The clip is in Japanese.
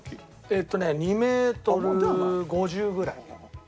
えっとね２メートル５０ぐらい。